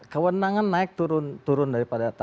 kewenangan naik turun daripada tarif listrik